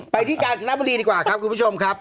ที่กาญจนบุรีดีกว่าครับคุณผู้ชมครับ